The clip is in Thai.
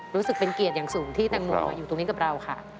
รู้สึกเป็นเกียรติอย่างสูงที่แตงโมมาอยู่ตรงนี้กับเราค่ะ